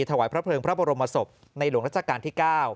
ถวายพระเพลิงพระบรมศพในหลวงรัชกาลที่๙